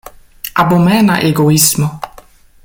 Abomena egoismo!